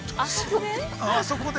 ◆あそこで？